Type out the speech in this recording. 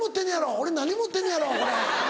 俺何持ってんのやろ？これ」。